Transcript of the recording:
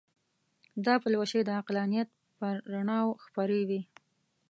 دا پلوشې د عقلانیت پر رڼاوو خپرې وې.